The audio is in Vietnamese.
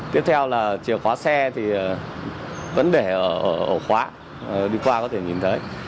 tiếp theo là chìa khóa xe thì vẫn để ở khóa đi qua có thể nhìn thấy